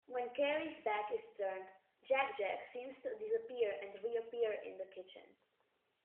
When Kari's back is turned, Jack-Jack seems to disappear and reappear in the kitchen.